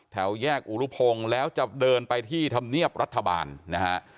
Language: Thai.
แถวแยกอุรุพงศ์แล้วจะเดินไปที่ธรรมเนียบรัฐบาลนะฮะ